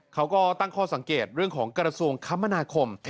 เขาก็ตั้งข้อสังเกตเรื่องของกระทรวงคมนาคม